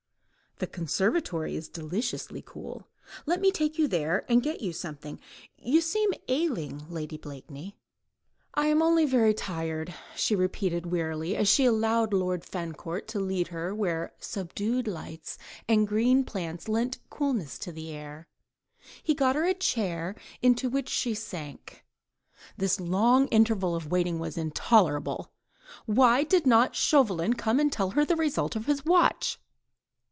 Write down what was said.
"The conservatory is deliciously cool; let me take you there, and then get you something. You seem ailing, Lady Blakeney." "I am only very tired," she repeated wearily, as she allowed Lord Fancourt to lead her, where subdued lights and green plants lent coolness to the air. He got her a chair, into which she sank. This long interval of waiting was intolerable. Why did not Chauvelin come and tell her the result of his watch?